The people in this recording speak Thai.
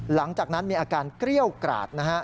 หลังจากนั้นมีอาการเกรี้ยวกราดนะฮะ